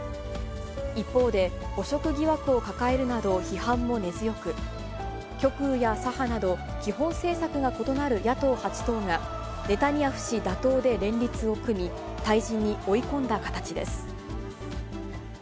一方で、汚職疑惑を抱えるなど批判も根強く、極右や左派など、基本政策が異なる野党８党が、ネタニヤフ氏打倒で連立を組み、退陣に追い込んだ形です。